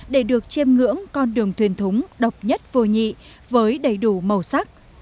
để được chiêm ngưỡng con đường thuyền thúng độc nhất vô nhị với đầy đủ màu sắc